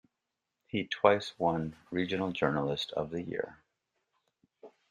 He twice won regional journalist of the year.